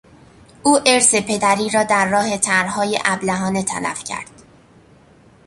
او ارث پدری را در راه طرحهای ابلهانه تلف کرد.